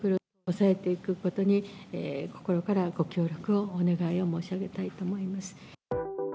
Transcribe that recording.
抑えていくことに、心からご協力をお願いを申し上げたいと思います。